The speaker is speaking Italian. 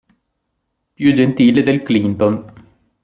Più gentile del Clinton.